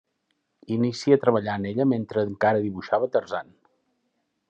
Inicia a treballar en ella mentre encara dibuixava Tarzan.